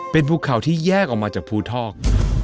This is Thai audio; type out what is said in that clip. เป็นภูเขาที่แยกออกมาจากภูทอก